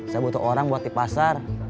saya butuh orang buat di pasar